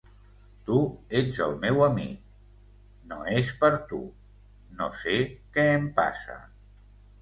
Tu ets el meu amic... no és per tu, no sé què em passa.